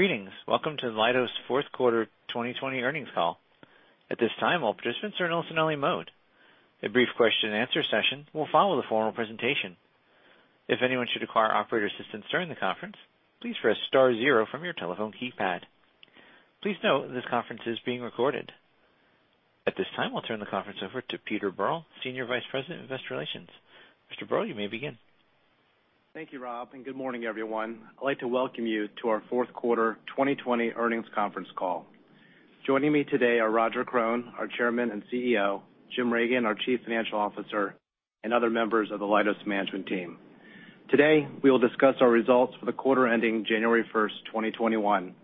Greetings. Welcome to Leidos' fourth quarter 2020 earnings call. At this time, all participants are in a listen-only mode. A brief question-and-answer session will follow the formal presentation. If anyone should require operator assistance during the conference, please press star zero from your telephone keypad. Please note this conference is being recorded. At this time, I'll turn the conference over to Peter Berl, Senior Vice President of Investor Relations. Mr. Berl, you may begin. Thank you, Rob, and good morning, everyone. I'd like to welcome you to our fourth quarter 2020 earnings conference call. Joining me today are Roger Krone, our Chairman and CEO; Jim Reagan, our Chief Financial Officer; and other members of the Leidos management team. Today, we will discuss our results for the quarter ending January 1, 2021.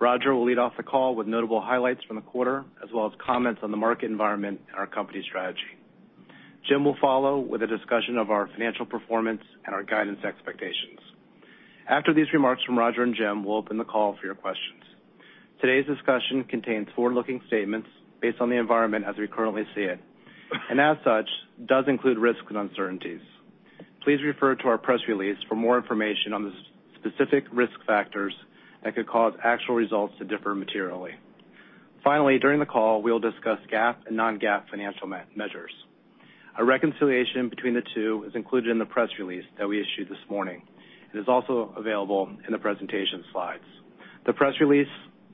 Roger will lead off the call with notable highlights from the quarter, as well as comments on the market environment and our company strategy. Jim will follow with a discussion of our financial performance and our guidance expectations. After these remarks from Roger and Jim, we'll open the call for your questions. Today's discussion contains forward-looking statements based on the environment as we currently see it, and as such, does include risks and uncertainties. Please refer to our press release for more information on the specific risk factors that could cause actual results to differ materially. Finally, during the call, we'll discuss GAAP and non-GAAP financial measures. A reconciliation between the two is included in the press release that we issued this morning. It is also available in the presentation slides. The press release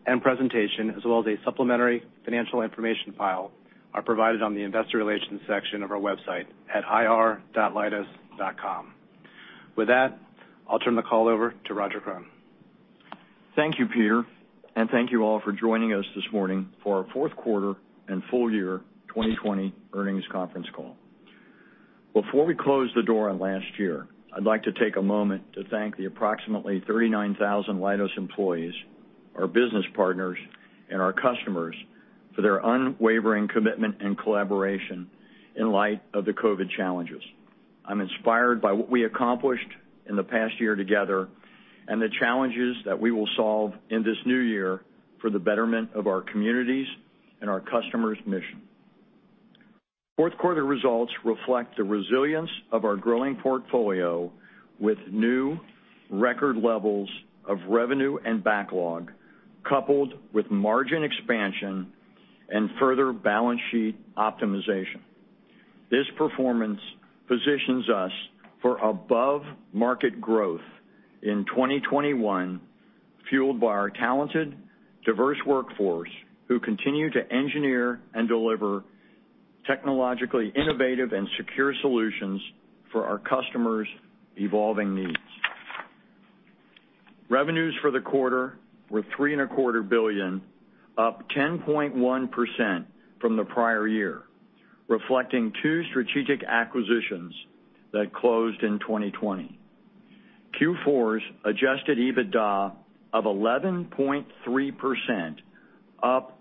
and presentation, as well as a supplementary financial information file, are provided on the investor relations section of our website at ir.leidos.com. With that, I'll turn the call over to Roger Krone. Thank you, Peter, and thank you all for joining us this morning for our fourth quarter and full year 2020 earnings conference call. Before we close the door on last year, I'd like to take a moment to thank the approximately 39,000 Leidos employees, our business partners, and our customers for their unwavering commitment and collaboration in light of the COVID challenges. I'm inspired by what we accomplished in the past year together and the challenges that we will solve in this new year for the betterment of our communities and our customers' mission. Fourth quarter results reflect the resilience of our growing portfolio with new record levels of revenue and backlog, coupled with margin expansion and further balance sheet optimization. This performance positions us for above-market growth in 2021, fueled by our talented, diverse workforce who continue to engineer and deliver technologically innovative and secure solutions for our customers' evolving needs. Revenues for the quarter were $3.25 billion, up 10.1% from the prior year, reflecting two strategic acquisitions that closed in 2020. Q4's adjusted EBITDA of 11.3%, up 3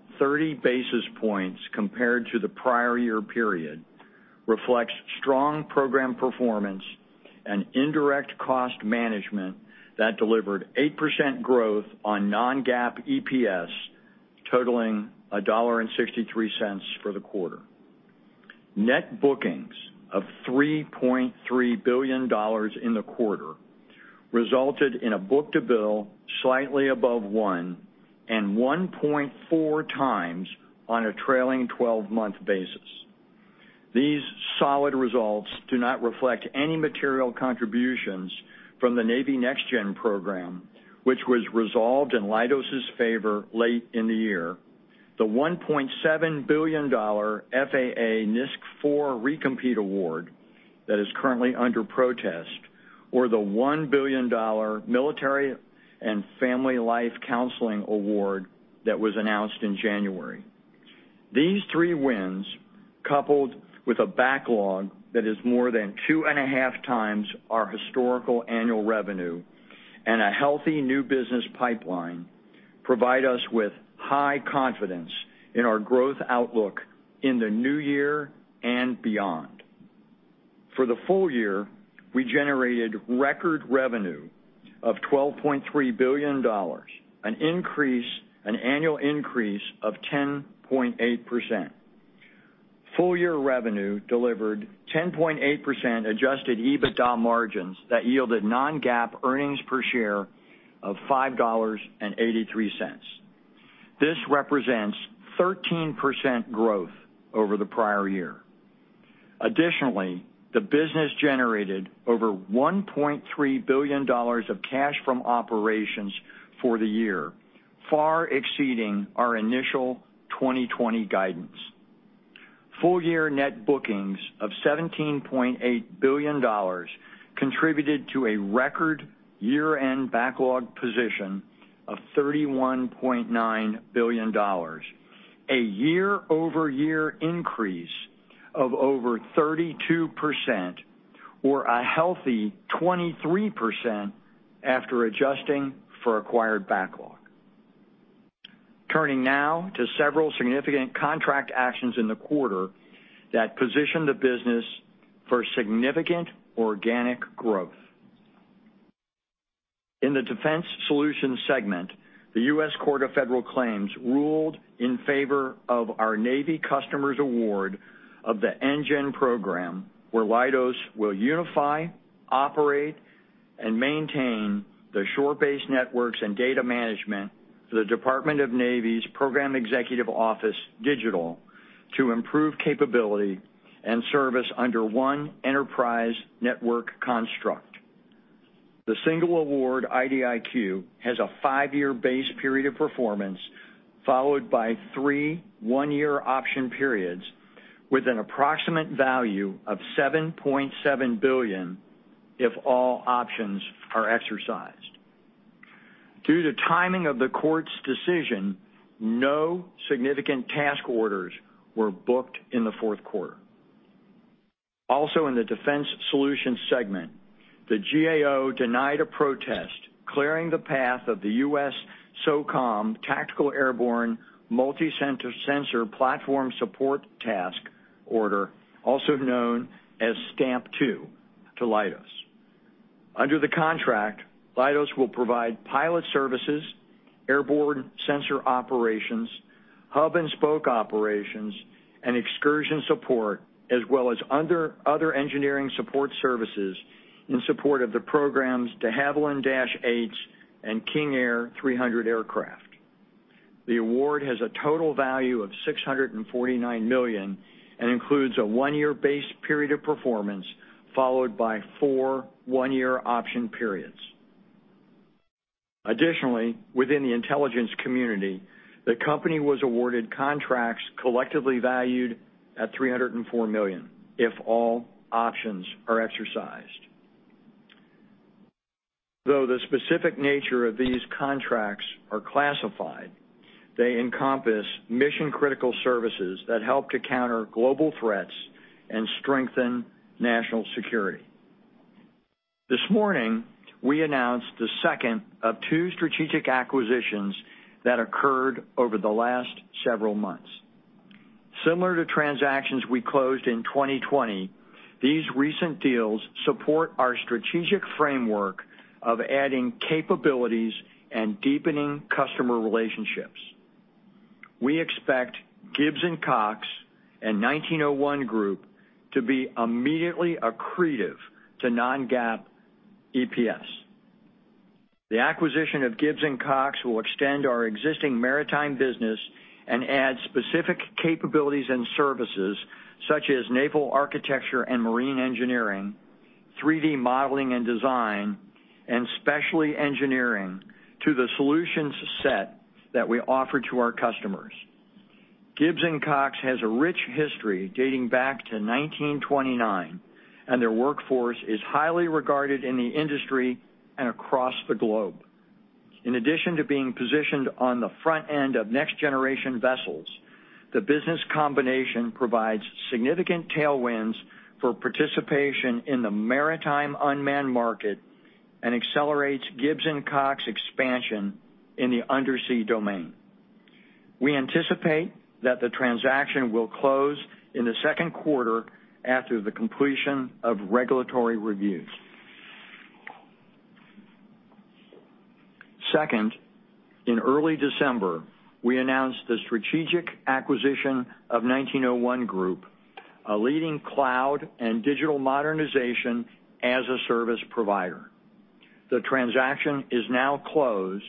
basis points compared to the prior year period, reflects strong program performance and indirect cost management that delivered 8% growth on non-GAAP EPS, totaling $1.63 for the quarter. Net bookings of $3.3 billion in the quarter resulted in a book-to-bill slightly above one and 1.4 times on a trailing 12-month basis. These solid results do not reflect any material contributions from the Navy NextGen program, which was resolved in Leidos' favor late in the year, the $1.7 billion FAA NISC IV Recompete Award that is currently under protest, or the $1 billion Military and Family Life Counseling Award that was announced in January. These three wins, coupled with a backlog that is more than two and a half times our historical annual revenue and a healthy new business pipeline, provide us with high confidence in our growth outlook in the new year and beyond. For the full year, we generated record revenue of $12.3 billion, an annual increase of 10.8%. Full year revenue delivered 10.8% adjusted EBITDA margins that yielded non-GAAP earnings per share of $5.83. This represents 13% growth over the prior year. Additionally, the business generated over $1.3 billion of cash from operations for the year, far exceeding our initial 2020 guidance. Full year net bookings of $17.8 billion contributed to a record year-end backlog position of $31.9 billion, a year-over-year increase of over 32%, or a healthy 23% after adjusting for acquired backlog. Turning now to several significant contract actions in the quarter that position the business for significant organic growth. In the defense solutions segment, the U.S. Court of Federal Claims ruled in favor of our Navy customers' award of the NGEN program, where Leidos will unify, operate, and maintain the shore-based networks and data management for the Department of Navy's Program Executive Office Digital to improve capability and service under one enterprise network construct. The single award IDIQ has a five-year base period of performance followed by three one-year option periods with an approximate value of $7.7 billion if all options are exercised. Due to timing of the court's decision, no significant task orders were booked in the fourth quarter. Also, in the defense solutions segment, the GAO denied a protest clearing the path of the U.S. SOCOM Tactical Airborne Multi-Sensor Platform Support Task Order, also known as STAMP-2, to Leidos. Under the contract, Leidos will provide pilot services, airborne sensor operations, hub and spoke operations, and excursion support, as well as other engineering support services in support of the programs De Havilland Dash 8s and King Air 300 aircraft. The award has a total value of $649 million and includes a one-year base period of performance followed by four one-year option periods. Additionally, within the intelligence community, the company was awarded contracts collectively valued at $304 million, if all options are exercised. Though the specific nature of these contracts is classified, they encompass mission-critical services that help to counter global threats and strengthen national security. This morning, we announced the second of two strategic acquisitions that occurred over the last several months. Similar to transactions we closed in 2020, these recent deals support our strategic framework of adding capabilities and deepening customer relationships. We expect Gibbs & Cox and 1901 Group to be immediately accretive to non-GAAP EPS. The acquisition of Gibbs & Cox will extend our existing maritime business and add specific capabilities and services such as naval architecture and marine engineering, 3D modeling and design, and specialty engineering to the solutions set that we offer to our customers. Gibbs & Cox has a rich history dating back to 1929, and their workforce is highly regarded in the industry and across the globe. In addition to being positioned on the front end of next-generation vessels, the business combination provides significant tailwinds for participation in the maritime unmanned market and accelerates Gibbs & Cox's expansion in the undersea domain. We anticipate that the transaction will close in the second quarter after the completion of regulatory reviews. Second, in early December, we announced the strategic acquisition of 1901 Group, a leading cloud and digital modernization-as-a-service provider. The transaction is now closed,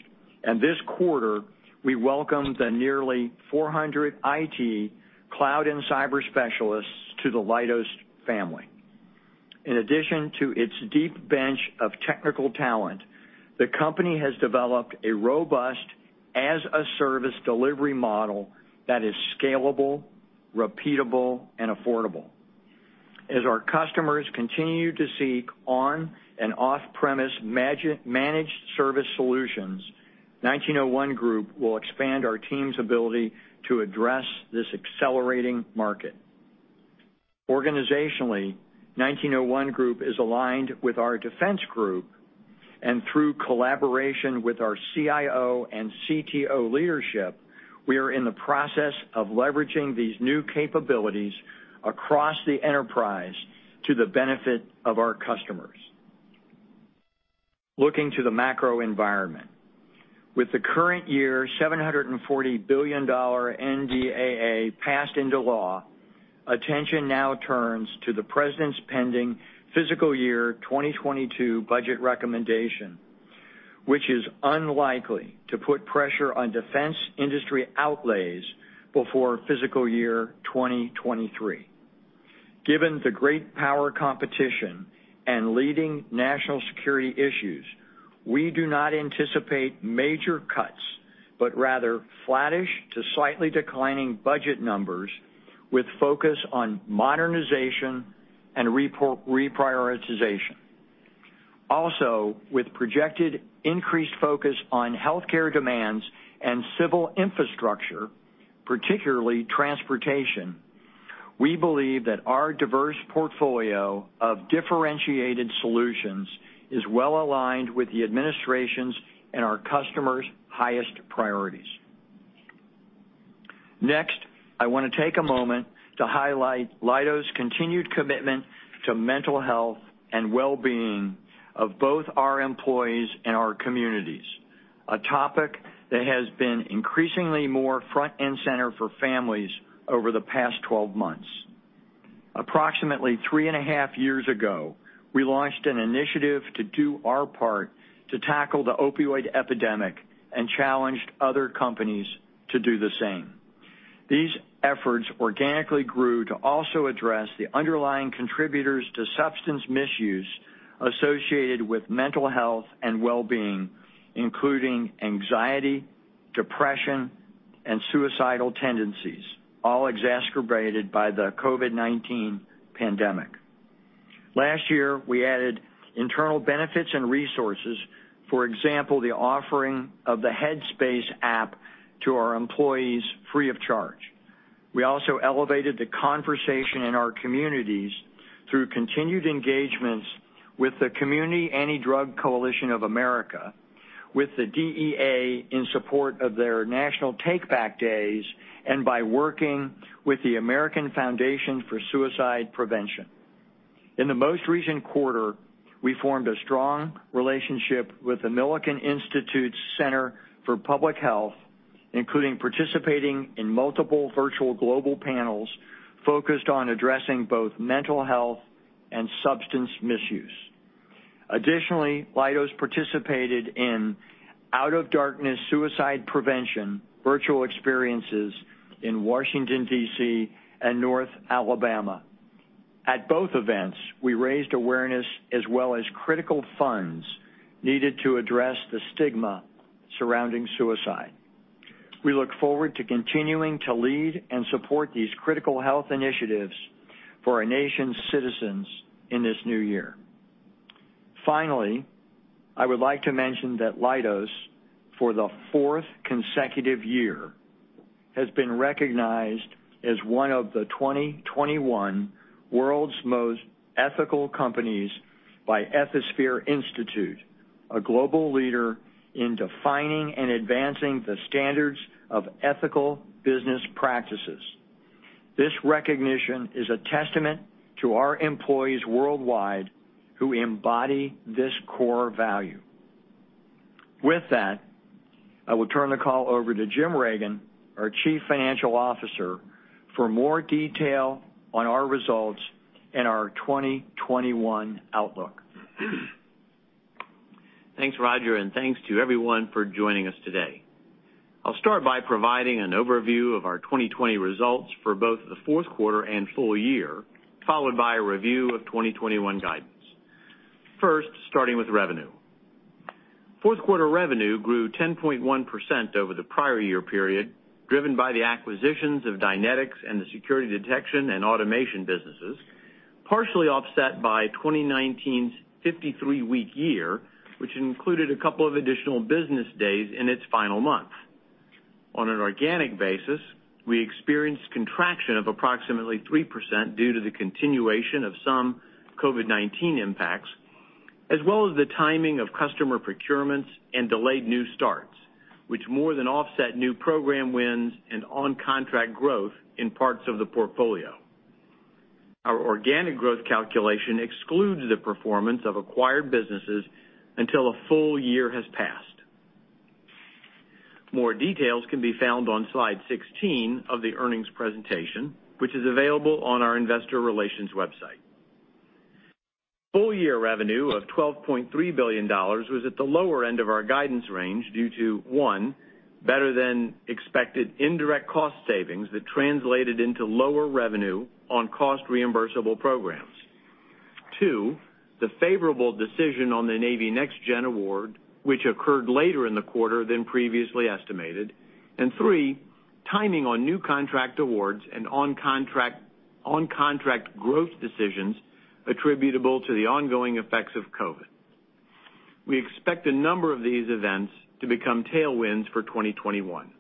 and this quarter, we welcome the nearly 400 IT cloud and cyber specialists to the Leidos family. In addition to its deep bench of technical talent, the company has developed a robust as-a-service delivery model that is scalable, repeatable, and affordable. As our customers continue to seek on- and off-premise managed service solutions, 1901 Group will expand our team's ability to address this accelerating market. Organizationally, 1901 Group is aligned with our defense group, and through collaboration with our CIO and CTO leadership, we are in the process of leveraging these new capabilities across the enterprise to the benefit of our customers. Looking to the macro environment, with the current year's $740 billion NDAA passed into law, attention now turns to the President's pending fiscal year 2022 budget recommendation, which is unlikely to put pressure on defense industry outlays before fiscal year 2023. Given the great power competition and leading national security issues, we do not anticipate major cuts but rather flattish to slightly declining budget numbers with focus on modernization and reprioritization. Also, with projected increased focus on healthcare demands and civil infrastructure, particularly transportation, we believe that our diverse portfolio of differentiated solutions is well aligned with the administration's and our customers' highest priorities. Next, I want to take a moment to highlight Leidos' continued commitment to mental health and well-being of both our employees and our communities, a topic that has been increasingly more front and center for families over the past 12 months. Approximately three and a half years ago, we launched an initiative to do our part to tackle the opioid epidemic and challenged other companies to do the same. These efforts organically grew to also address the underlying contributors to substance misuse associated with mental health and well-being, including anxiety, depression, and suicidal tendencies, all exacerbated by the COVID-19 pandemic. Last year, we added internal benefits and resources, for example, the offering of the Headspace app to our employees free of charge. We also elevated the conversation in our communities through continued engagements with the Community Anti-Drug Coalition of America, with the DEA in support of their national take-back days, and by working with the American Foundation for Suicide Prevention. In the most recent quarter, we formed a strong relationship with the Milken Institute's Center for Public Health, including participating in multiple virtual global panels focused on addressing both mental health and substance misuse. Additionally, Leidos participated in Out of Darkness Suicide Prevention virtual experiences in Washington, D.C., and North Alabama. At both events, we raised awareness as well as critical funds needed to address the stigma surrounding suicide. We look forward to continuing to lead and support these critical health initiatives for our nation's citizens in this new year. Finally, I would like to mention that Leidos, for the fourth consecutive year, has been recognized as one of the 2021 World's Most Ethical Companies by Ethisphere Institute, a global leader in defining and advancing the standards of ethical business practices. This recognition is a testament to our employees worldwide who embody this core value. With that, I will turn the call over to Jim Reagan, our Chief Financial Officer, for more detail on our results and our 2021 outlook. Thanks, Roger, and thanks to everyone for joining us today. I'll start by providing an overview of our 2020 results for both the fourth quarter and full year, followed by a review of 2021 guidance. First, starting with revenue. Fourth quarter revenue grew 10.1% over the prior year period, driven by the acquisitions of Dynetics and the Security Detection and Automation businesses, partially offset by 2019's 53-week year, which included a couple of additional business days in its final month. On an organic basis, we experienced contraction of approximately 3% due to the continuation of some COVID-19 impacts, as well as the timing of customer procurements and delayed new starts, which more than offset new program wins and on-contract growth in parts of the portfolio. Our organic growth calculation excludes the performance of acquired businesses until a full year has passed. More details can be found on slide 16 of the earnings presentation, which is available on our investor relations website. Full year revenue of $12.3 billion was at the lower end of our guidance range due to, one, better-than-expected indirect cost savings that translated into lower revenue on cost-reimbursable programs; two, the favorable decision on the Navy Next Generation Award, which occurred later in the quarter than previously estimated; and three, timing on new contract awards and on-contract growth decisions attributable to the ongoing effects of COVID. We expect a number of these events to become tailwinds for 2021.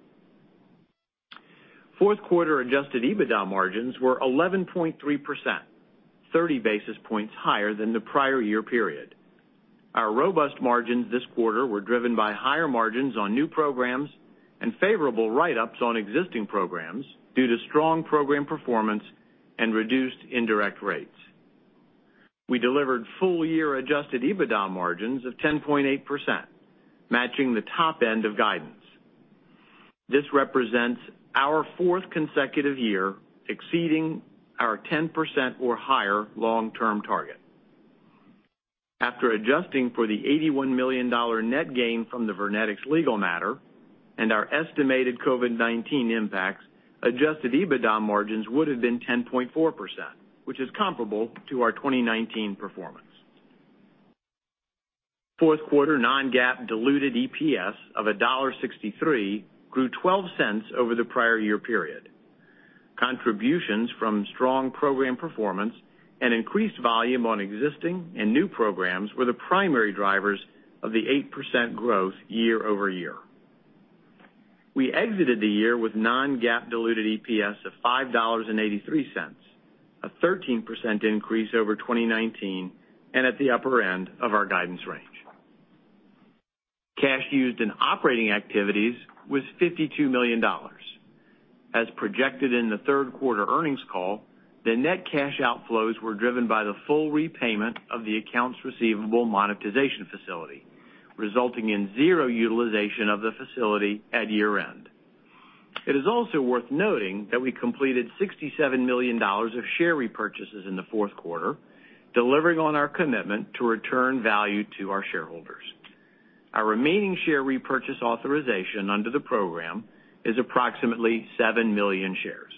Fourth quarter adjusted EBITDA margins were 11.3%, 30 basis points higher than the prior year period. Our robust margins this quarter were driven by higher margins on new programs and favorable write-ups on existing programs due to strong program performance and reduced indirect rates. We delivered full-year adjusted EBITDA margins of 10.8%, matching the top end of guidance. This represents our fourth consecutive year exceeding our 10% or higher long-term target. After adjusting for the $81 million net gain from the Vernetics legal matter and our estimated COVID-19 impacts, adjusted EBITDA margins would have been 10.4%, which is comparable to our 2019 performance. Fourth quarter non-GAAP diluted EPS of $1.63 grew 12 cents over the prior year period. Contributions from strong program performance and increased volume on existing and new programs were the primary drivers of the 8% growth year over year. We exited the year with non-GAAP diluted EPS of $5.83, a 13% increase over 2019, and at the upper end of our guidance range. Cash used in operating activities was $52 million. As projected in the third quarter earnings call, the net cash outflows were driven by the full repayment of the accounts receivable monetization facility, resulting in zero utilization of the facility at year-end. It is also worth noting that we completed $67 million of share repurchases in the fourth quarter, delivering on our commitment to return value to our shareholders. Our remaining share repurchase authorization under the program is approximately 7 million shares.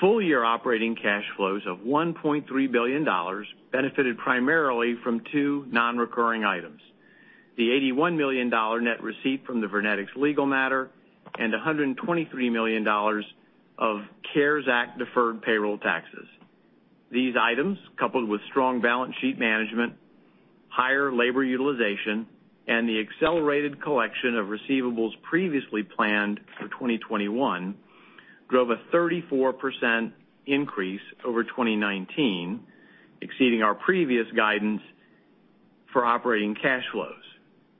Full-year operating cash flows of $1.3 billion benefited primarily from two non-recurring items: the $81 million net receipt from the Vernetics legal matter and $123 million of CARES Act-deferred payroll taxes. These items, coupled with strong balance sheet management, higher labor utilization, and the accelerated collection of receivables previously planned for 2021, drove a 34% increase over 2019, exceeding our previous guidance for operating cash flows.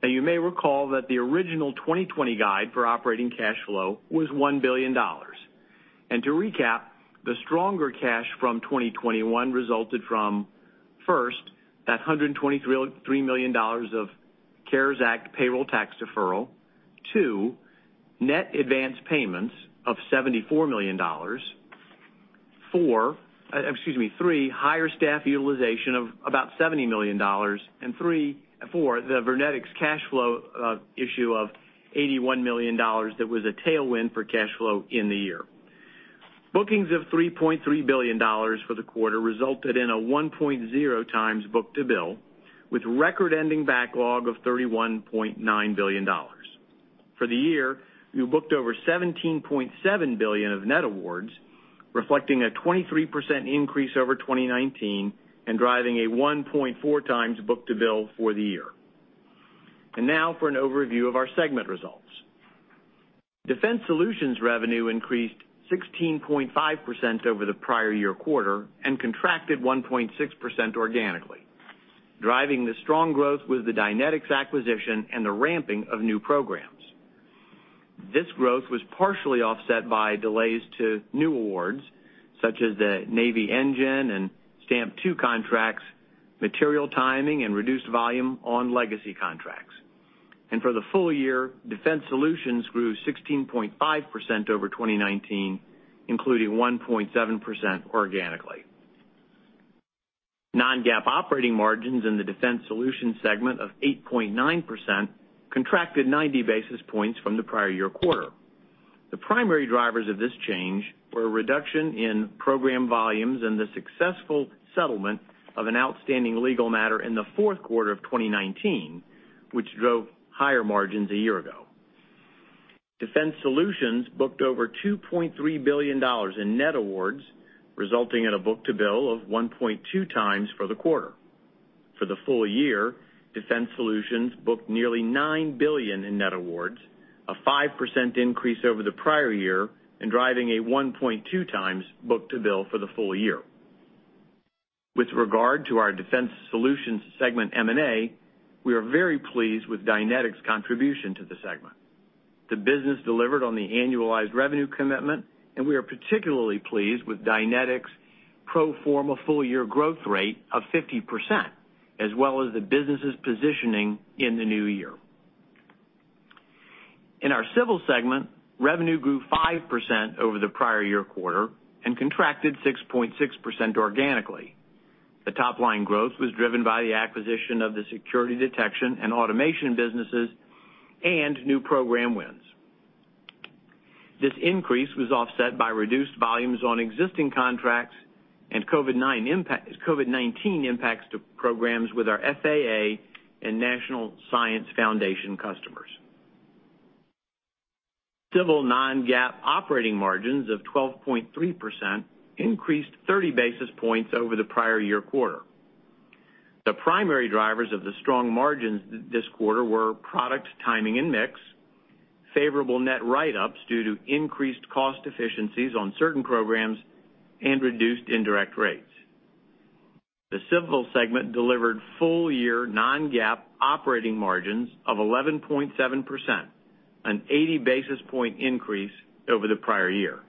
Now, you may recall that the original 2020 guide for operating cash flow was $1 billion. To recap, the stronger cash from 2021 resulted from, first, that $123 million of CARES Act payroll tax deferral; two, net advance payments of $74 million; three, higher staff utilization of about $70 million; and four, the Vernetics cash flow issue of $81 million that was a tailwind for cash flow in the year. Bookings of $3.3 billion for the quarter resulted in a 1.0 times book-to-bill, with record-ending backlog of $31.9 billion. For the year, we booked over $17.7 billion of net awards, reflecting a 23% increase over 2019 and driving a 1.4 times book-to-bill for the year. Now for an overview of our segment results. Defense solutions revenue increased 16.5% over the prior year quarter and contracted 1.6% organically, driving the strong growth with the Dynetics acquisition and the ramping of new programs. This growth was partially offset by delays to new awards, such as the Navy Engine and STAMP-2 contracts, material timing, and reduced volume on legacy contracts. For the full year, defense solutions grew 16.5% over 2019, including 1.7% organically. Non-GAAP operating margins in the defense solutions segment of 8.9% contracted 90 basis points from the prior year quarter. The primary drivers of this change were a reduction in program volumes and the successful settlement of an outstanding legal matter in the fourth quarter of 2019, which drove higher margins a year ago. Defense solutions booked over $2.3 billion in net awards, resulting in a book-to-bill of 1.2 times for the quarter. For the full year, defense solutions booked nearly $9 billion in net awards, a 5% increase over the prior year, and driving a 1.2 times book-to-bill for the full year. With regard to our defense solutions segment M&A, we are very pleased with Dynetics' contribution to the segment. The business delivered on the annualized revenue commitment, and we are particularly pleased with Dynetics' pro forma full-year growth rate of 50%, as well as the business's positioning in the new year. In our civil segment, revenue grew 5% over the prior year quarter and contracted 6.6% organically. The top-line growth was driven by the acquisition of the Security Detection and Automation businesses and new program wins. This increase was offset by reduced volumes on existing contracts and COVID-19 impacts to programs with our FAA and National Science Foundation customers. Civil non-GAAP operating margins of 12.3% increased 30 basis points over the prior year quarter. The primary drivers of the strong margins this quarter were product timing and mix, favorable net write-ups due to increased cost efficiencies on certain programs, and reduced indirect rates. The civil segment delivered full-year non-GAAP operating margins of 11.7%, an 80 basis point increase over the prior year.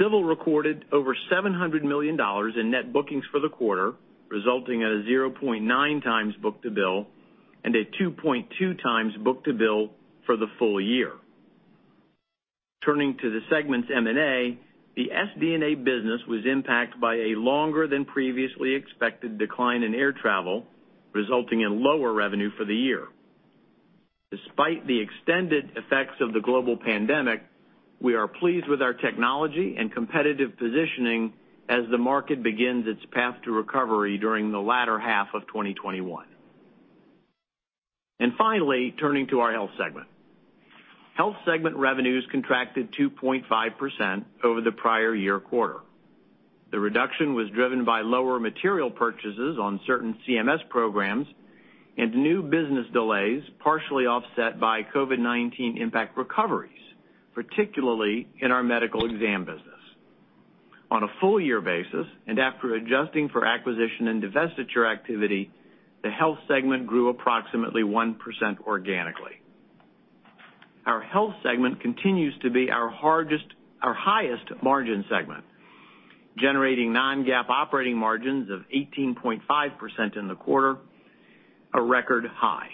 Civil recorded over $700 million in net bookings for the quarter, resulting in a 0.9 times book-to-bill and a 2.2 times book-to-bill for the full year. Turning to the segment's M&A, the SD&A business was impacted by a longer-than-previously expected decline in air travel, resulting in lower revenue for the year. Despite the extended effects of the global pandemic, we are pleased with our technology and competitive positioning as the market begins its path to recovery during the latter half of 2021. Finally, turning to our health segment. Health segment revenues contracted 2.5% over the prior year quarter. The reduction was driven by lower material purchases on certain CMS programs and new business delays, partially offset by COVID-19 impact recoveries, particularly in our medical exam business. On a full-year basis, and after adjusting for acquisition and divestiture activity, the health segment grew approximately 1% organically. Our health segment continues to be our highest margin segment, generating non-GAAP operating margins of 18.5% in the quarter, a record high.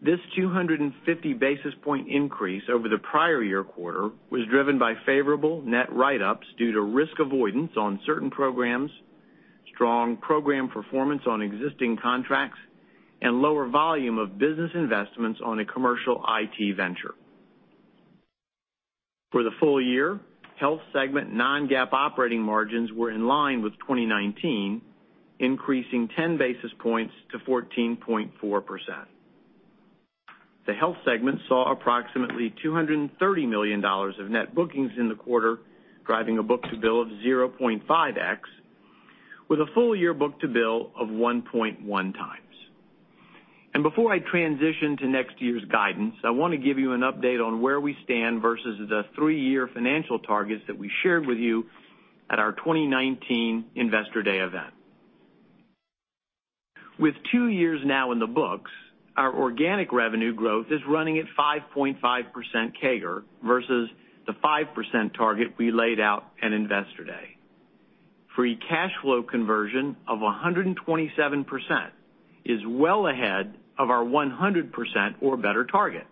This 250 basis point increase over the prior year quarter was driven by favorable net write-ups due to risk avoidance on certain programs, strong program performance on existing contracts, and lower volume of business investments on a commercial IT venture. For the full year, health segment non-GAAP operating margins were in line with 2019, increasing 10 basis points to 14.4%. The health segment saw approximately $230 million of net bookings in the quarter, driving a book-to-bill of 0.5x, with a full-year book-to-bill of 1.1 times. Before I transition to next year's guidance, I want to give you an update on where we stand versus the three-year financial targets that we shared with you at our 2019 Investor Day event. With two years now in the books, our organic revenue growth is running at 5.5% CAGR versus the 5% target we laid out at Investor Day. Free cash flow conversion of 127% is well ahead of our 100% or better target,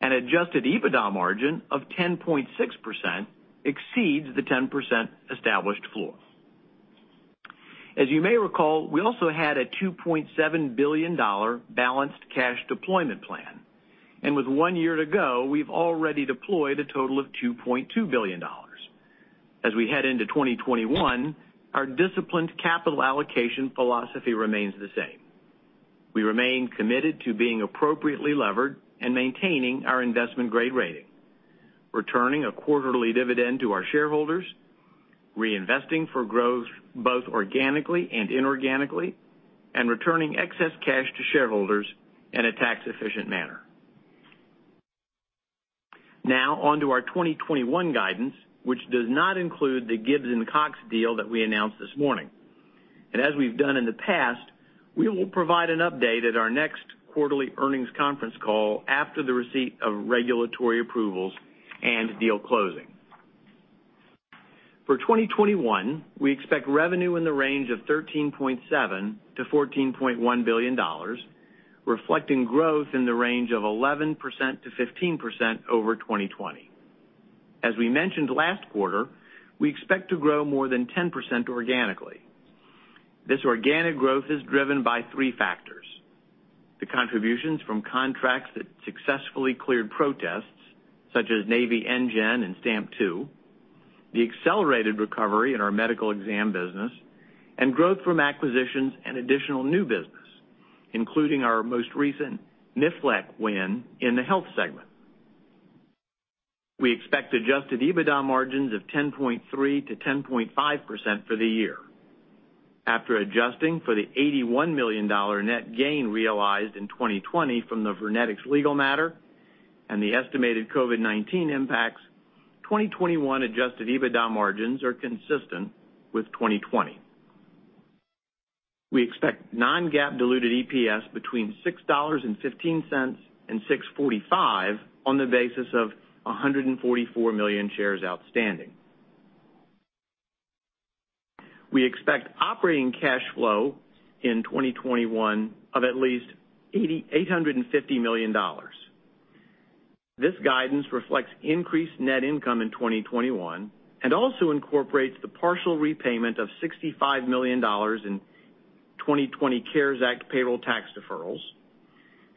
and adjusted EBITDA margin of 10.6% exceeds the 10% established floor. As you may recall, we also had a $2.7 billion balanced cash deployment plan, and with one year to go, we've already deployed a total of $2.2 billion. As we head into 2021, our disciplined capital allocation philosophy remains the same. We remain committed to being appropriately levered and maintaining our investment-grade rating, returning a quarterly dividend to our shareholders, reinvesting for growth both organically and inorganically, and returning excess cash to shareholders in a tax-efficient manner. Now, on to our 2021 guidance, which does not include the Gibbs & Cox deal that we announced this morning. As we have done in the past, we will provide an update at our next quarterly earnings conference call after the receipt of regulatory approvals and deal closing. For 2021, we expect revenue in the range of $13.7 billion-$14.1 billion, reflecting growth in the range of 11%-15% over 2020. As we mentioned last quarter, we expect to grow more than 10% organically. This organic growth is driven by three factors: the contributions from contracts that successfully cleared protests, such as Navy NGEN and STAMP-2, the accelerated recovery in our medical exam business, and growth from acquisitions and additional new business, including our most recent NIFLEC win in the health segment. We expect adjusted EBITDA margins of 10.3-10.5% for the year. After adjusting for the $81 million net gain realized in 2020 from the Vernetics legal matter and the estimated COVID-19 impacts, 2021 adjusted EBITDA margins are consistent with 2020. We expect non-GAAP diluted EPS between $6.15 and $6.45 on the basis of 144 million shares outstanding. We expect operating cash flow in 2021 of at least $850 million. This guidance reflects increased net income in 2021 and also incorporates the partial repayment of $65 million in 2020 CARES Act payroll tax deferrals,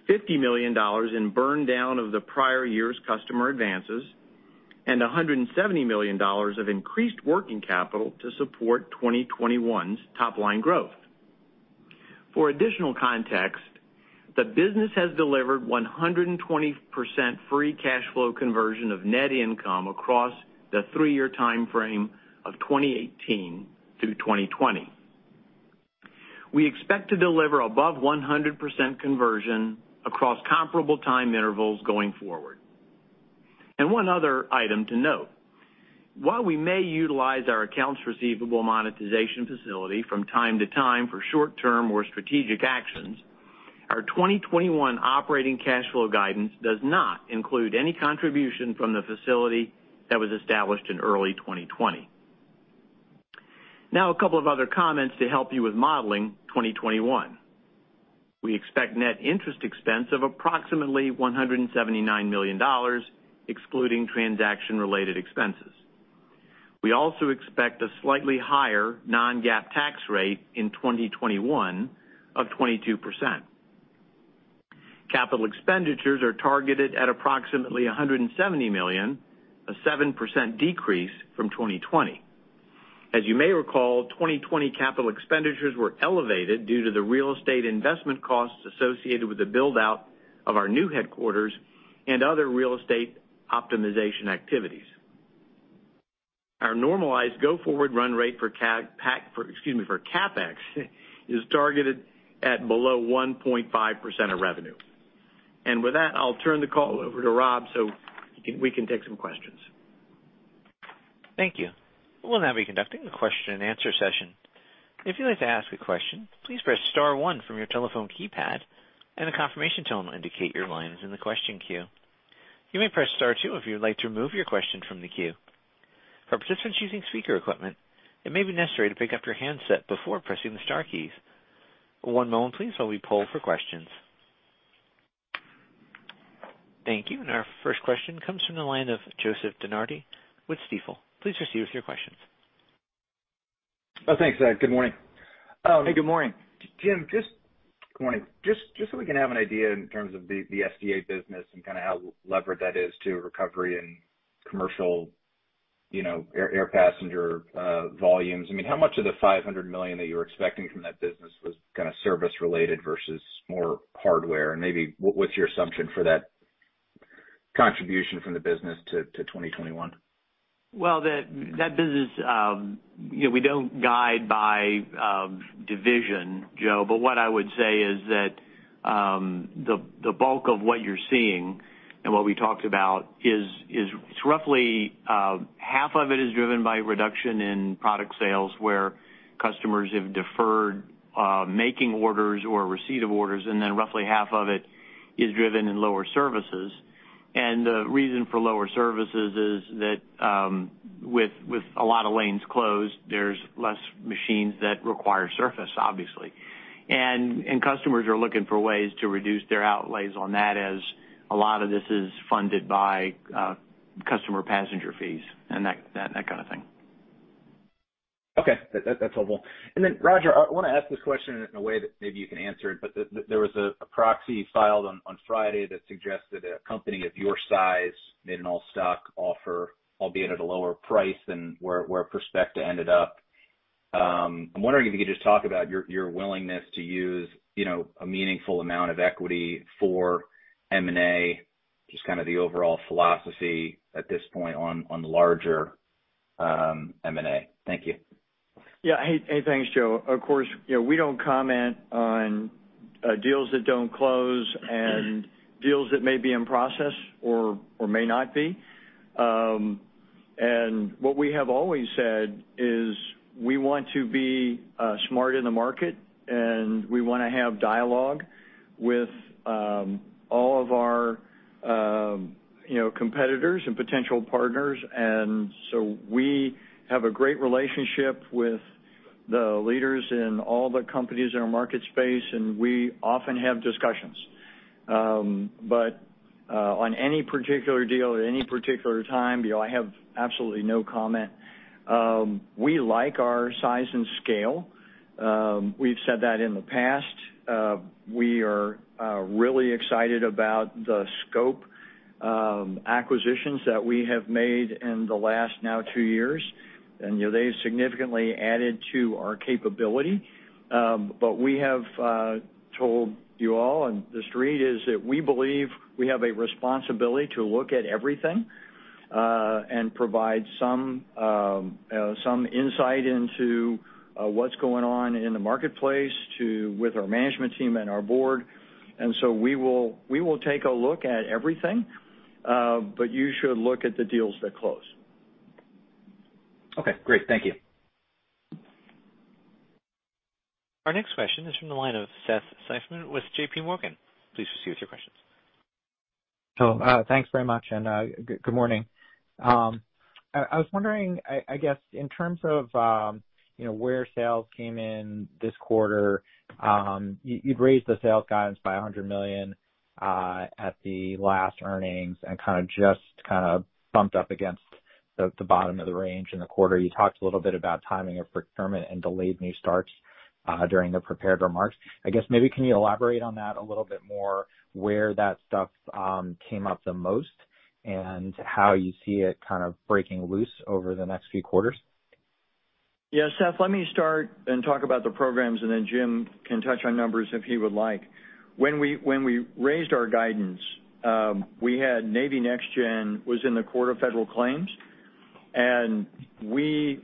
$50 million in burn down of the prior year's customer advances, and $170 million of increased working capital to support 2021's top-line growth. For additional context, the business has delivered 120% free cash flow conversion of net income across the three-year timeframe of 2018 through 2020. We expect to deliver above 100% conversion across comparable time intervals going forward. One other item to note: while we may utilize our accounts receivable monetization facility from time to time for short-term or strategic actions, our 2021 operating cash flow guidance does not include any contribution from the facility that was established in early 2020. Now, a couple of other comments to help you with modeling 2021. We expect net interest expense of approximately $179 million, excluding transaction-related expenses. We also expect a slightly higher non-GAAP tax rate in 2021 of 22%. Capital expenditures are targeted at approximately $170 million, a 7% decrease from 2020. As you may recall, 2020 capital expenditures were elevated due to the real estate investment costs associated with the build-out of our new headquarters and other real estate optimization activities. Our normalized go-forward run rate for CapEx is targeted at below 1.5% of revenue. With that, I'll turn the call over to Rob so we can take some questions. Thank you. We'll now be conducting a question-and-answer session. If you'd like to ask a question, please press star one from your telephone keypad, and a confirmation tone will indicate your line is in the question queue. You may press star two if you'd like to remove your question from the queue. For participants using speaker equipment, it may be necessary to pick up your handset before pressing the star keys. One moment, please, while we poll for questions. Thank you. Our first question comes from the line of Joseph DeNardi with Stifel. Please proceed with your questions. Thanks, Ed. Good morning. Hey, good morning. Jim, just. Good morning. Just so we can have an idea in terms of the SDA business and kind of how levered that is to recovery and commercial air passenger volumes, I mean, how much of the $500 million that you were expecting from that business was kind of service-related versus more hardware? And maybe what's your assumption for that contribution from the business to 2021? That business, we do not guide by division, Joe, but what I would say is that the bulk of what you are seeing and what we talked about is roughly half of it is driven by reduction in product sales, where customers have deferred making orders or receipt of orders, and then roughly half of it is driven in lower services. The reason for lower services is that with a lot of lanes closed, there are fewer machines that require service, obviously. Customers are looking for ways to reduce their outlays on that, as a lot of this is funded by customer passenger fees and that kind of thing. Okay. That's helpful. Roger, I want to ask this question in a way that maybe you can answer it, but there was a proxy filed on Friday that suggested a company of your size made an all-stock offer, albeit at a lower price than where Prospect ended up. I'm wondering if you could just talk about your willingness to use a meaningful amount of equity for M&A, just kind of the overall philosophy at this point on the larger M&A. Thank you. Yeah. Hey, thanks, Joe. Of course, we do not comment on deals that do not close and deals that may be in process or may not be. What we have always said is we want to be smart in the market, and we want to have dialogue with all of our competitors and potential partners. We have a great relationship with the leaders in all the companies in our market space, and we often have discussions. On any particular deal at any particular time, I have absolutely no comment. We like our size and scale. We have said that in the past. We are really excited about the scope acquisitions that we have made in the last now two years, and they have significantly added to our capability. We have told you all, and the street is that we believe we have a responsibility to look at everything and provide some insight into what's going on in the marketplace with our management team and our board. We will take a look at everything, but you should look at the deals that close. Okay. Great. Thank you. Our next question is from the line of Seth Seifman with JPMorgan. Please proceed with your questions. Thanks very much, and good morning. I was wondering, I guess, in terms of where sales came in this quarter, you'd raised the sales guidance by $100 million at the last earnings and kind of just bumped up against the bottom of the range in the quarter. You talked a little bit about timing of procurement and delayed new starts during the prepared remarks. I guess maybe can you elaborate on that a little bit more, where that stuff came up the most and how you see it kind of breaking loose over the next few quarters? Yeah. Seth, let me start and talk about the programs, and then Jim can touch on numbers if he would like. When we raised our guidance, we had Navy NextGen was in the Court of Federal Claims, and the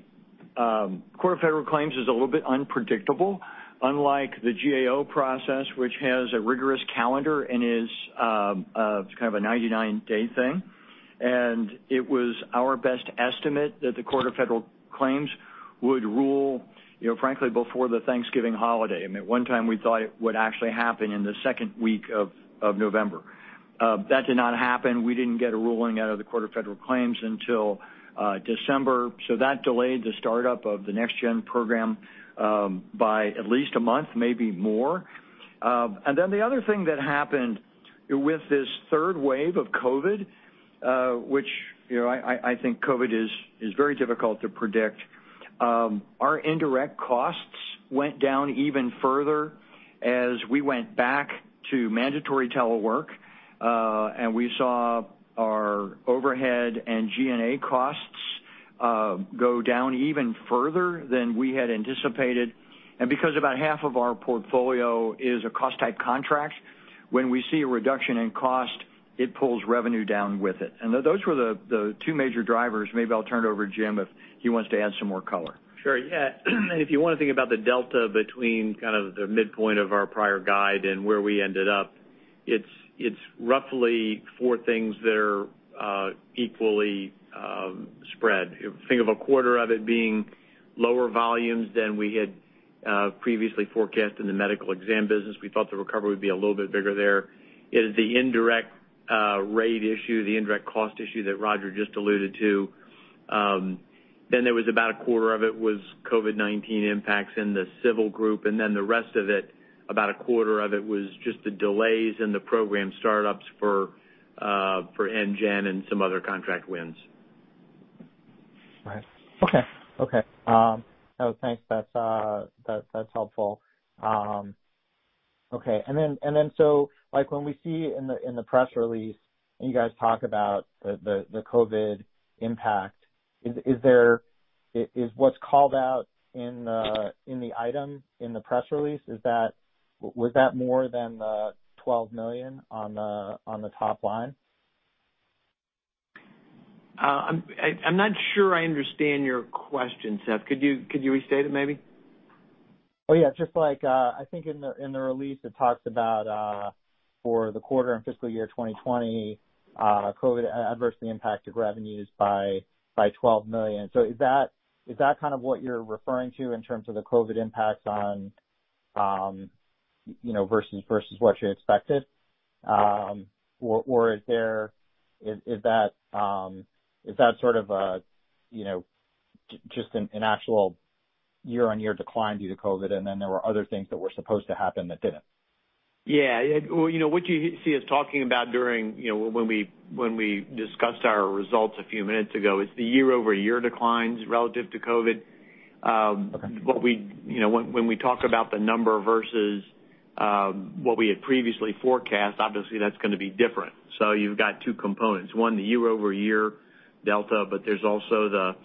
Court of Federal Claims is a little bit unpredictable, unlike the GAO process, which has a rigorous calendar and is kind of a 99-day thing. It was our best estimate that the Court of Federal Claims would rule, frankly, before the Thanksgiving holiday. I mean, at one time, we thought it would actually happen in the second week of November. That did not happen. We did not get a ruling out of the Court of Federal Claims until December, so that delayed the startup of the NextGen program by at least a month, maybe more. The other thing that happened with this third wave of COVID, which I think COVID is very difficult to predict, our indirect costs went down even further as we went back to mandatory telework, and we saw our overhead and G&A costs go down even further than we had anticipated. Because about half of our portfolio is a cost-type contract, when we see a reduction in cost, it pulls revenue down with it. Those were the two major drivers. Maybe I'll turn it over to Jim if he wants to add some more color. Sure. Yeah. If you want to think about the delta between kind of the midpoint of our prior guide and where we ended up, it's roughly four things that are equally spread. Think of a quarter of it being lower volumes than we had previously forecast in the medical exam business. We thought the recovery would be a little bit bigger there. It is the indirect rate issue, the indirect cost issue that Roger just alluded to. There was about a quarter of it as COVID-19 impacts in the civil group, and the rest of it, about a quarter of it, was just the delays in the program startups for NGEN and some other contract wins. Right. Okay. Okay. Thanks. That's helpful. Okay. When we see in the press release, and you guys talk about the COVID impact, is what's called out in the item in the press release, was that more than the $12 million on the top line? I'm not sure I understand your question, Seth. Could you restate it maybe? Oh, yeah. Just like I think in the release, it talks about for the quarter and fiscal year 2020, COVID adversely impacted revenues by $12 million. Is that kind of what you're referring to in terms of the COVID impacts versus what you expected? Is that sort of just an actual year-on-year decline due to COVID, and then there were other things that were supposed to happen that didn't? Yeah. What you see us talking about during when we discussed our results a few minutes ago is the year-over-year declines relative to COVID. When we talk about the number versus what we had previously forecast, obviously, that's going to be different. You've got two components. One, the year-over-year delta, but there's also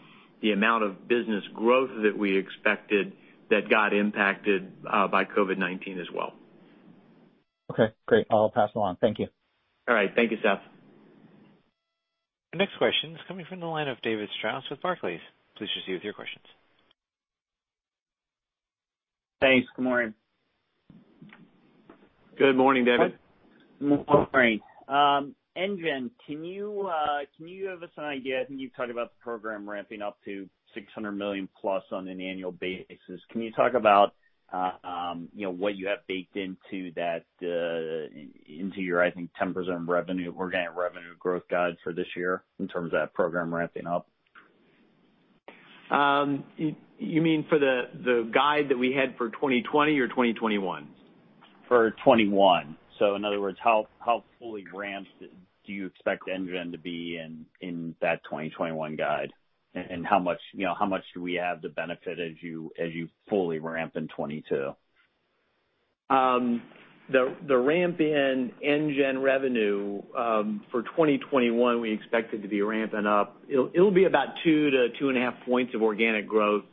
the amount of business growth that we expected that got impacted by COVID-19 as well. Okay. Great. I'll pass it along. Thank you. All right. Thank you, Seth. Next question is coming from the line of David Strauss with Barclays. Please proceed with your questions. Thanks. Good morning. Good morning, David. Good morning. NGEN, can you give us an idea? I think you've talked about the program ramping up to $600 million plus on an annual basis. Can you talk about what you have baked into your, I think, 10% revenue organic revenue growth guide for this year in terms of that program ramping up? You mean for the guide that we had for 2020 or 2021? For 2021. In other words, how fully ramped do you expect NGEN to be in that 2021 guide? And how much do we have to benefit as you fully ramp in 2022? The ramp in NGEN revenue for 2021, we expect it to be ramping up. It'll be about two to two and a half points of organic growth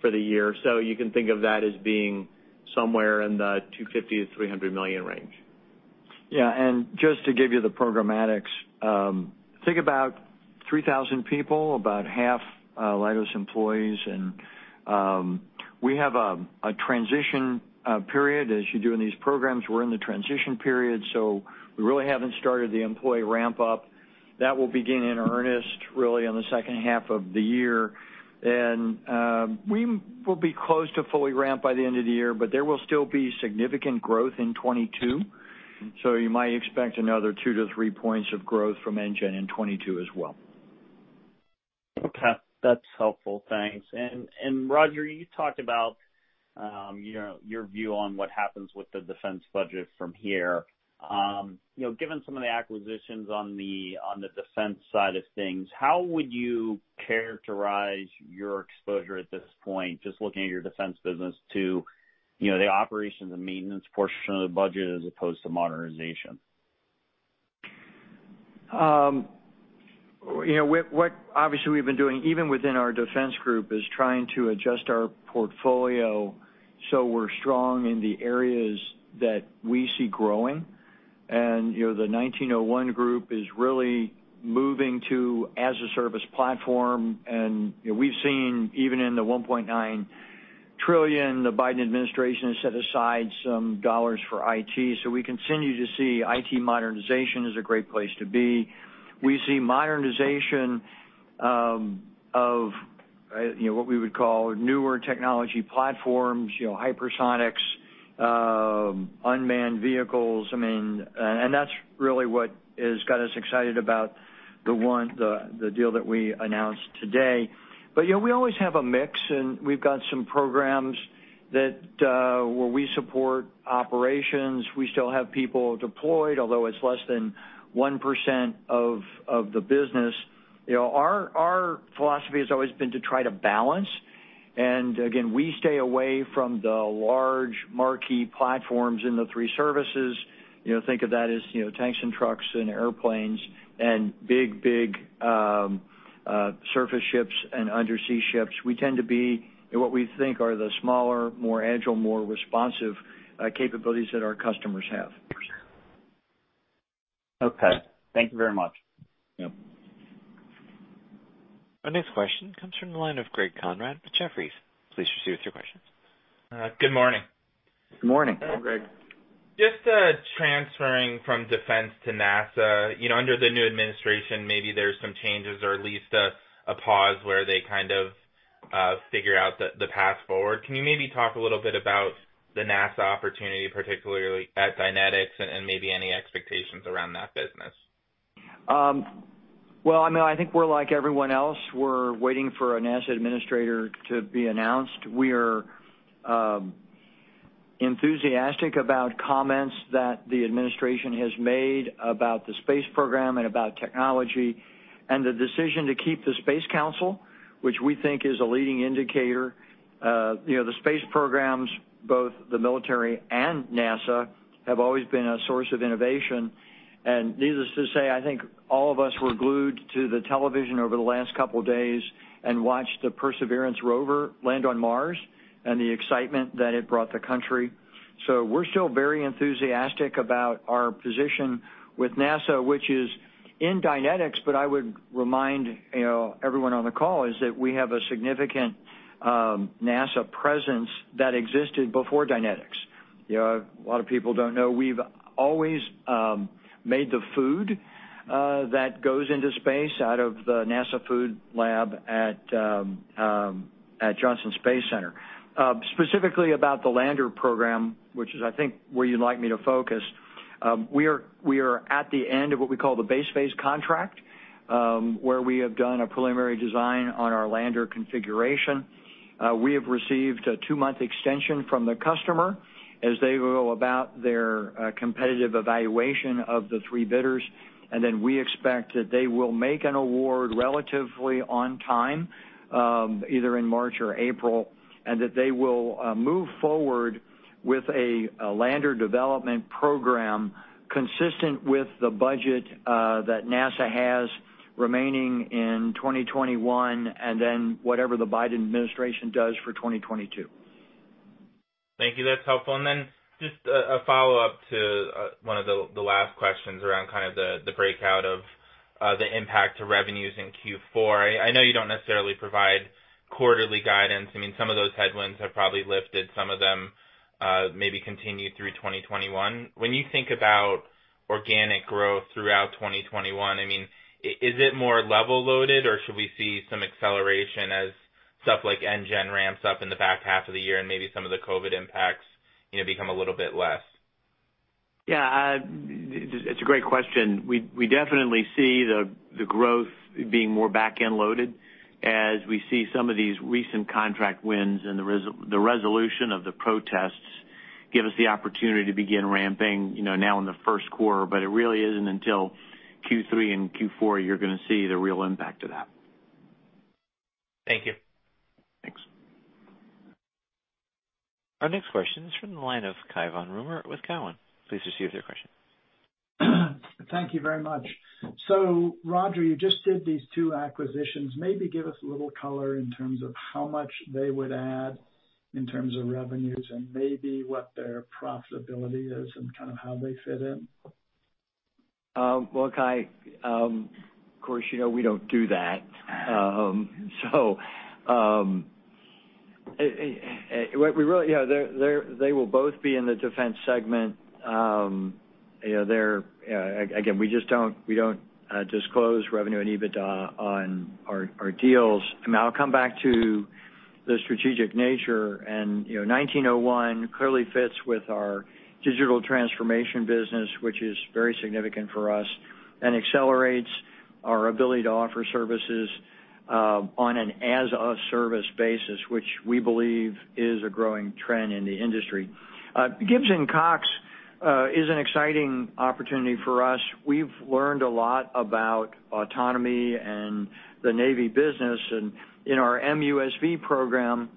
for the year. You can think of that as being somewhere in the $250 million-$300 million range. Yeah. Just to give you the programmatics, think about 3,000 people, about half Leidos employees. We have a transition period, as you do in these programs. We're in the transition period, so we really haven't started the employee ramp-up. That will begin in earnest, really, in the second half of the year. We will be close to fully ramp by the end of the year, but there will still be significant growth in 2022. You might expect another two to three points of growth from NGEN in 2022 as well. Okay. That's helpful. Thanks. Roger, you talked about your view on what happens with the defense budget from here. Given some of the acquisitions on the defense side of things, how would you characterize your exposure at this point, just looking at your defense business, to the operations and maintenance portion of the budget as opposed to modernization? Obviously, we've been doing, even within our defense group, is trying to adjust our portfolio so we're strong in the areas that we see growing. The 1901 Group is really moving to as-a-service platform. We've seen, even in the $1.9 trillion, the Biden administration has set aside some dollars for IT. We continue to see IT modernization is a great place to be. We see modernization of what we would call newer technology platforms, hypersonics, unmanned vehicles. I mean, and that's really what has got us excited about the deal that we announced today. We always have a mix, and we've got some programs where we support operations. We still have people deployed, although it's less than 1% of the business. Our philosophy has always been to try to balance. Again, we stay away from the large marquee platforms in the three services. Think of that as tanks and trucks and airplanes and big, big surface ships and undersea ships. We tend to be in what we think are the smaller, more agile, more responsive capabilities that our customers have. Okay. Thank you very much. Our next question comes from the line of Greg Konrad with Jefferies. Please proceed with your questions. Good morning. Good morning. Hi, Greg. Just transferring from defense to NASA, under the new administration, maybe there's some changes or at least a pause where they kind of figure out the path forward. Can you maybe talk a little bit about the NASA opportunity, particularly at Dynetics, and maybe any expectations around that business? I mean, I think we're like everyone else. We're waiting for a NASA administrator to be announced. We are enthusiastic about comments that the administration has made about the space program and about technology and the decision to keep the Space Council, which we think is a leading indicator. The space programs, both the military and NASA, have always been a source of innovation. Needless to say, I think all of us were glued to the television over the last couple of days and watched the Perseverance rover land on Mars and the excitement that it brought the country. We are still very enthusiastic about our position with NASA, which is in Dynetics, but I would remind everyone on the call that we have a significant NASA presence that existed before Dynetics. A lot of people don't know. We've always made the food that goes into space out of the NASA food lab at Johnson Space Center. Specifically about the Lander program, which is, I think, where you'd like me to focus, we are at the end of what we call the base phase contract, where we have done a preliminary design on our Lander configuration. We have received a two-month extension from the customer as they go about their competitive evaluation of the three bidders. We expect that they will make an award relatively on time, either in March or April, and that they will move forward with a Lander development program consistent with the budget that NASA has remaining in 2021 and then whatever the Biden administration does for 2022. Thank you. That's helpful. Just a follow-up to one of the last questions around kind of the breakout of the impact to revenues in Q4. I know you don't necessarily provide quarterly guidance. I mean, some of those headwinds have probably lifted. Some of them maybe continue through 2021. When you think about organic growth throughout 2021, I mean, is it more level loaded, or should we see some acceleration as stuff like NGEN ramps up in the back half of the year and maybe some of the COVID impacts become a little bit less? Yeah. It's a great question. We definitely see the growth being more back-end loaded as we see some of these recent contract wins and the resolution of the protests give us the opportunity to begin ramping now in the first quarter. It really isn't until Q3 and Q4 you're going to see the real impact of that. Thank you. Thanks. Our next question is from the line of Gautam Khanna with TD Cowen. Please proceed with your question. Thank you very much. Roger, you just did these two acquisitions. Maybe give us a little color in terms of how much they would add in terms of revenues and maybe what their profitability is and kind of how they fit in. Kai, of course, we don't do that. They will both be in the defense segment. Again, we just don't disclose revenue and EBITDA on our deals. I mean, I'll come back to the strategic nature. 1901 clearly fits with our digital transformation business, which is very significant for us and accelerates our ability to offer services on an as-a-service basis, which we believe is a growing trend in the industry. Gibbs & Cox is an exciting opportunity for us. We've learned a lot about autonomy and the Navy business. In our MUSV program,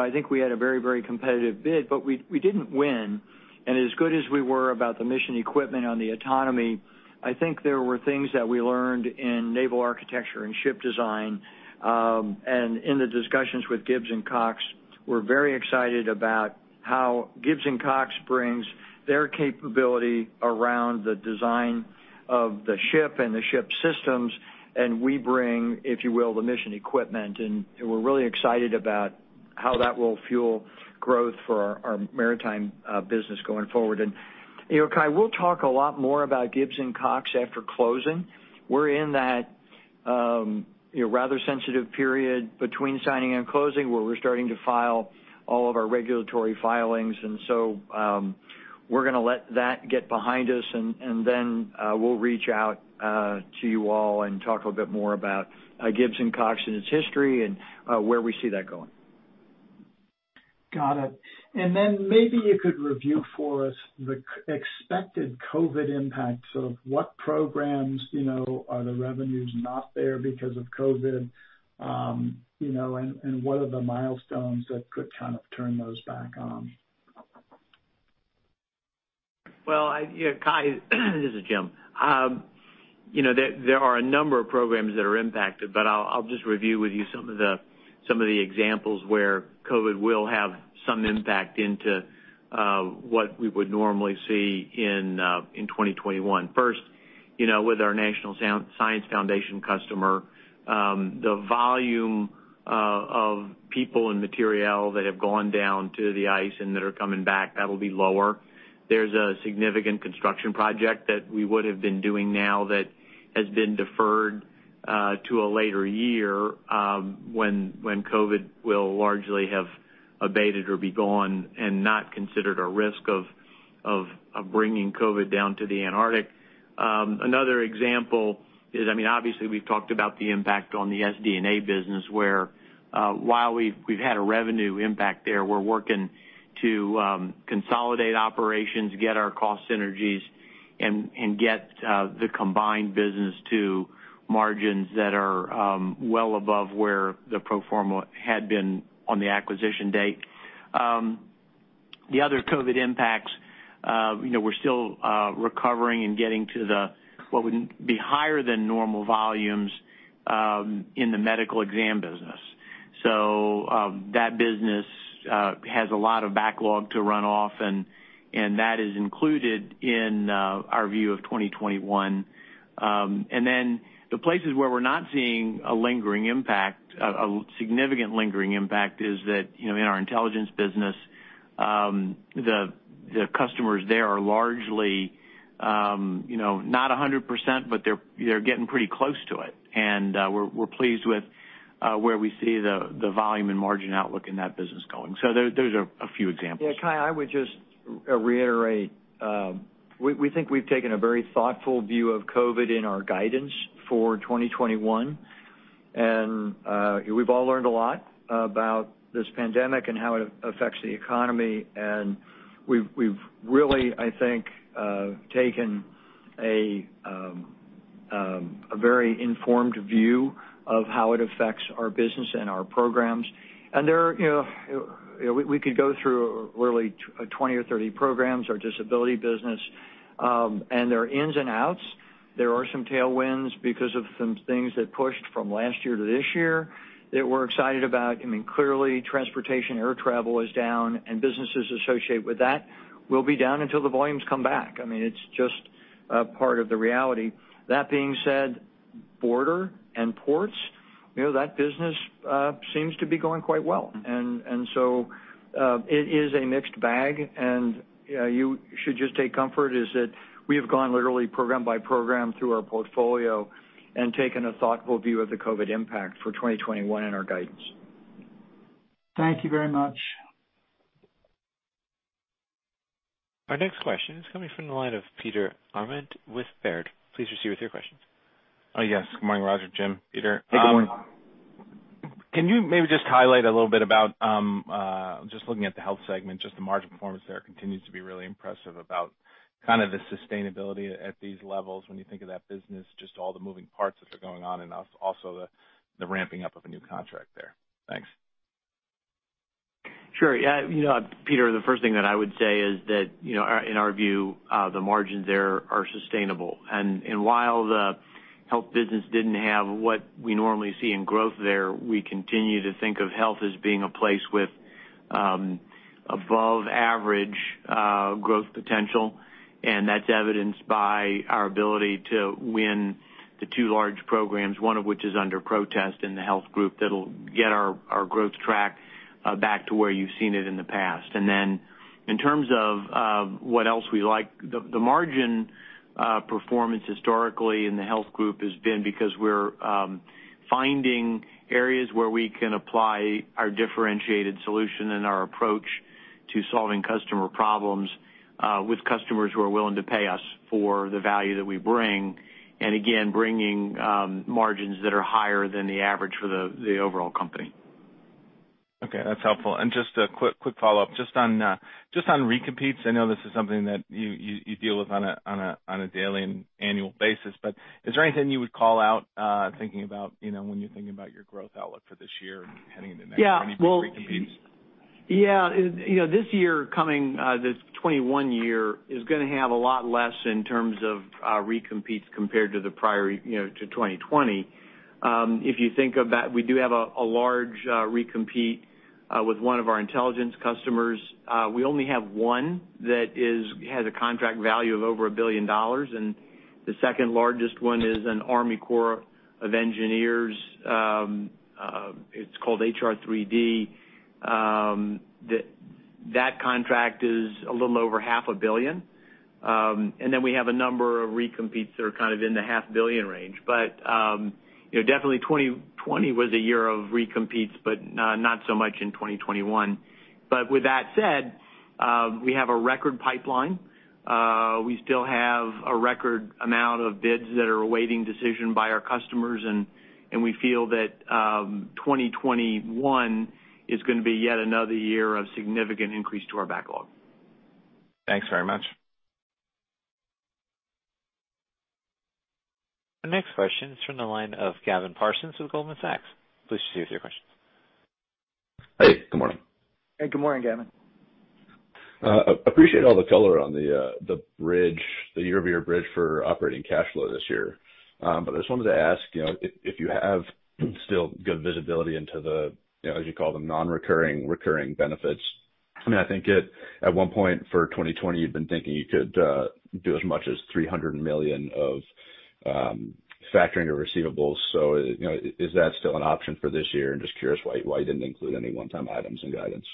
I think we had a very, very competitive bid, but we didn't win. As good as we were about the mission equipment on the autonomy, I think there were things that we learned in naval architecture and ship design. In the discussions with Gibbs & Cox, we're very excited about how Gibbs & Cox brings their capability around the design of the ship and the ship systems. We bring, if you will, the mission equipment. We're really excited about how that will fuel growth for our maritime business going forward. Kai, we'll talk a lot more about Gibbs & Cox after closing. We're in that rather sensitive period between signing and closing where we're starting to file all of our regulatory filings. We're going to let that get behind us. Then we'll reach out to you all and talk a little bit more about Gibbs & Cox and its history and where we see that going. Got it. Maybe you could review for us the expected COVID impacts of what programs are the revenues not there because of COVID, and what are the milestones that could kind of turn those back on? Kai, this is Jim. There are a number of programs that are impacted, but I'll just review with you some of the examples where COVID will have some impact into what we would normally see in 2021. First, with our National Science Foundation customer, the volume of people and material that have gone down to the ice and that are coming back, that will be lower. There's a significant construction project that we would have been doing now that has been deferred to a later year when COVID will largely have abated or be gone and not considered a risk of bringing COVID down to the Antarctic. Another example is, I mean, obviously, we've talked about the impact on the SD&A business, where while we've had a revenue impact there, we're working to consolidate operations, get our cost synergies, and get the combined business to margins that are well above where the pro forma had been on the acquisition date. The other COVID impacts, we're still recovering and getting to what would be higher than normal volumes in the medical exam business. That business has a lot of backlog to run off, and that is included in our view of 2021. The places where we're not seeing a lingering impact, a significant lingering impact, is that in our intelligence business, the customers there are largely not 100%, but they're getting pretty close to it. We're pleased with where we see the volume and margin outlook in that business going. Those are a few examples. Yeah. Kai, I would just reiterate. We think we've taken a very thoughtful view of COVID in our guidance for 2021. We've all learned a lot about this pandemic and how it affects the economy. We've really, I think, taken a very informed view of how it affects our business and our programs. We could go through really 20 or 30 programs, our disability business, and there are ins and outs. There are some tailwinds because of some things that pushed from last year to this year that we're excited about. I mean, clearly, transportation, air travel is down, and businesses associated with that will be down until the volumes come back. I mean, it's just part of the reality. That being said, border and ports, that business seems to be going quite well. It is a mixed bag. You should just take comfort as that we have gone literally program by program through our portfolio and taken a thoughtful view of the COVID impact for 2021 in our guidance. Thank you very much. Our next question is coming from the line of Peter Arment with Baird. Please proceed with your questions. Yes. Good morning, Roger, Jim, Peter. Hey. Good morning. Can you maybe just highlight a little bit about just looking at the health segment, just the margin performance there continues to be really impressive about kind of the sustainability at these levels when you think of that business, just all the moving parts that are going on and also the ramping up of a new contract there. Thanks. Sure. Yeah. Peter, the first thing that I would say is that in our view, the margins there are sustainable. While the health business did not have what we normally see in growth there, we continue to think of health as being a place with above-average growth potential. That is evidenced by our ability to win the two large programs, one of which is under protest in the health group that will get our growth track back to where you have seen it in the past. In terms of what else we like, the margin performance historically in the health group has been because we are finding areas where we can apply our differentiated solution and our approach to solving customer problems with customers who are willing to pay us for the value that we bring, and again, bringing margins that are higher than the average for the overall company. Okay. That's helpful. Just a quick follow-up. Just on recompetes, I know this is something that you deal with on a daily and annual basis, but is there anything you would call out thinking about when you're thinking about your growth outlook for this year and heading into next year? Any recompetes? Yeah. This year, coming this 2021 year, is going to have a lot less in terms of recompetes compared to the prior to 2020. If you think of that, we do have a large recompete with one of our intelligence customers. We only have one that has a contract value of over $1 billion. The second largest one is an Army Corps of Engineers. It's called HR3D. That contract is a little over $500 million. We have a number of recompetes that are kind of in the $500 million range. 2020 was a year of recompetes, not so much in 2021. With that said, we have a record pipeline. We still have a record amount of bids that are awaiting decision by our customers. We feel that 2021 is going to be yet another year of significant increase to our backlog. Thanks very much. Our next question is from the line of Gavin Parsons with Goldman Sachs. Please proceed with your questions. Hey. Good morning. Hey. Good morning, Gavin. Appreciate all the color on the bridge, the year-over-year bridge for operating cash flow this year. I just wanted to ask if you have still good visibility into the, as you call them, non-recurring recurring benefits. I mean, I think at one point for 2020, you've been thinking you could do as much as $300 million of factoring your receivables. Is that still an option for this year? I'm just curious why you didn't include any one-time items in guidance.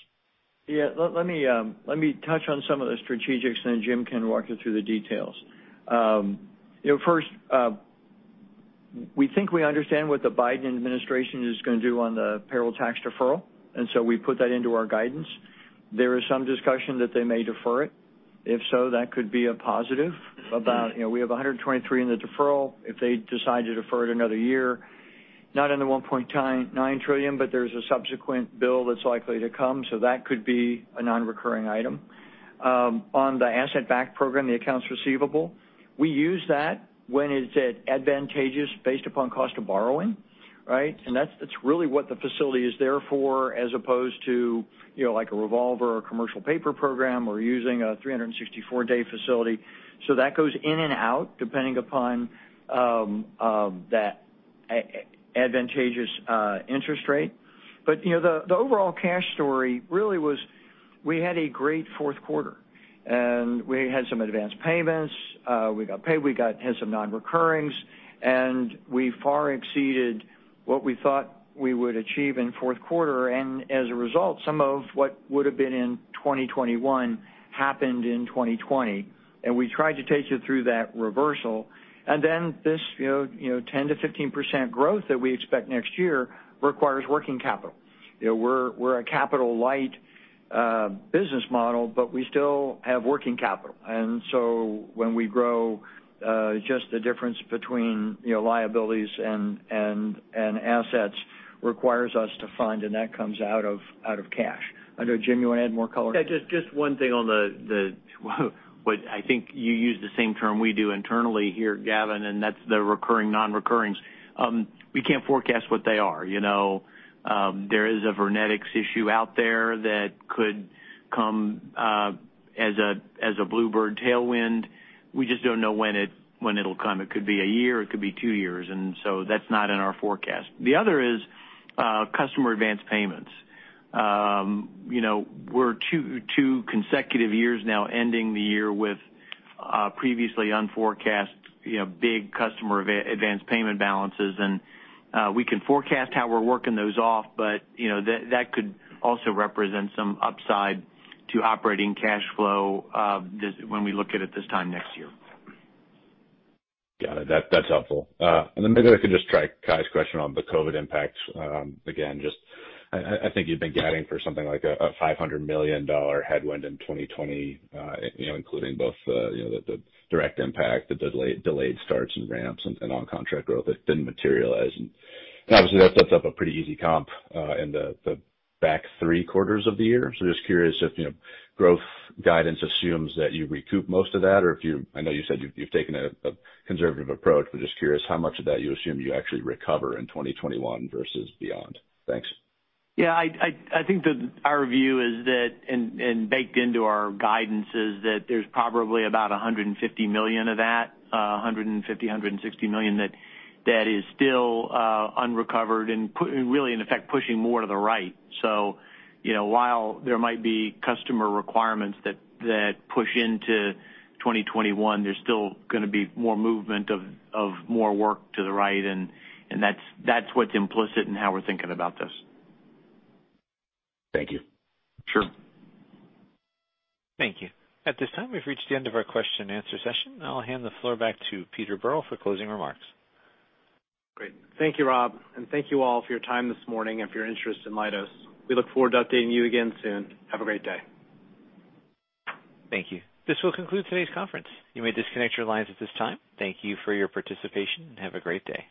Yeah. Let me touch on some of the strategics, and then Jim can walk you through the details. First, we think we understand what the Biden administration is going to do on the payroll tax deferral. We put that into our guidance. There is some discussion that they may defer it. If so, that could be a positive about we have $123 in the deferral. If they decide to defer it another year, not in the $1.9 trillion, but there is a subsequent bill that is likely to come. That could be a non-recurring item. On the asset-backed program, the accounts receivable, we use that when it is advantageous based upon cost of borrowing, right? That is really what the facility is there for, as opposed to a revolver or a commercial paper program or using a 364-day facility. That goes in and out depending upon that advantageous interest rate. The overall cash story really was we had a great fourth quarter. We had some advanced payments. We got paid. We had some non-recurrings. We far exceeded what we thought we would achieve in fourth quarter. As a result, some of what would have been in 2021 happened in 2020. We tried to take you through that reversal. This 10-15% growth that we expect next year requires working capital. We're a capital-light business model, but we still have working capital. When we grow, just the difference between liabilities and assets requires us to fund, and that comes out of cash. I know, Jim, you want to add more color? Yeah. Just one thing on the, I think you use the same term we do internally here, Gavin, and that's the recurring non-recurrings. We can't forecast what they are. There is a Vernetics issue out there that could come as a bluebird tailwind. We just don't know when it'll come. It could be a year. It could be two years. That is not in our forecast. The other is customer advance payments. We're two consecutive years now ending the year with previously unforecast big customer advance payment balances. We can forecast how we're working those off, but that could also represent some upside to operating cash flow when we look at it this time next year. Got it. That's helpful. Maybe I could just try Kai's question on the COVID impacts. I think you've been getting for something like a $500 million headwind in 2020, including both the direct impact, the delayed starts and ramps, and on-contract growth that didn't materialize. Obviously, that sets up a pretty easy comp in the back three quarters of the year. Just curious if growth guidance assumes that you recoup most of that, or if you—I know you said you've taken a conservative approach—just curious how much of that you assume you actually recover in 2021 versus beyond. Thanks. Yeah. I think our view is that, and baked into our guidance, is that there's probably about $150 million of that, $150-$160 million that is still unrecovered and really, in effect, pushing more to the right. While there might be customer requirements that push into 2021, there's still going to be more movement of more work to the right. That's what's implicit in how we're thinking about this. Thank you. Sure. Thank you. At this time, we've reached the end of our question-and-answer session. I'll hand the floor back to Peter Berl for closing remarks. Great. Thank you, Rob. Thank you all for your time this morning and for your interest in Leidos. We look forward to updating you again soon. Have a great day. Thank you. This will conclude today's conference. You may disconnect your lines at this time. Thank you for your participation, and have a great day.